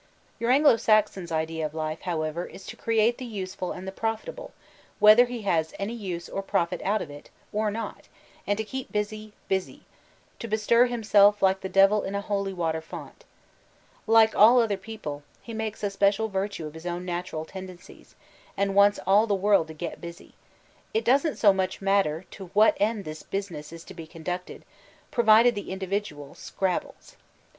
Your Anglo Saxon's idea of life, however, is to create the useful and the profitable — whether he has any use or The Mexicak Revolutiok 271 profit out of it or not — and to keep busy, busy ; to bestir himself "like the Devil in a holy water font" Like all other people, he makes a special virtue of his own natural tendencies, and wants all the world to "get busy"; it doesn't so much matter to what end this business is to be conducted, provided the individual— ^rro6fr/^j.